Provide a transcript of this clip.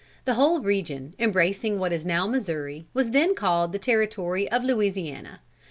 The whole region, embracing what is now Missouri, was then called the territory of Louisiana.